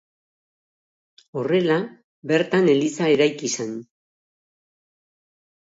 Horrela, bertan eliza eraiki zen.